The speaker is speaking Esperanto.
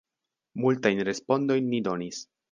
Multajn respondojn ni donis.